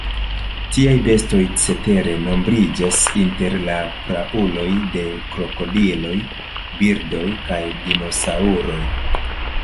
Tiaj bestoj cetere nombriĝas inter la prauloj de krokodiloj, birdoj kaj dinosaŭroj.